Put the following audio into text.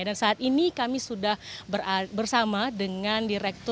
dan saat ini kami sudah bersama dengan direktur